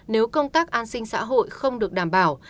nếu công tác an sinh xã hội không được đảm bảo